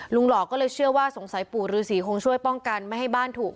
หล่อก็เลยเชื่อว่าสงสัยปู่ฤษีคงช่วยป้องกันไม่ให้บ้านถูก